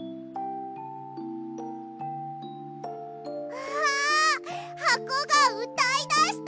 うわはこがうたいだした！